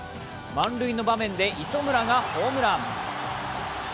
満塁の場面で磯村がホームラン。